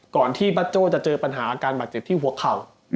ก่อนที่ป้าโจ้จะเจอปัญหาอาการบาดเจ็บที่หัวเข่า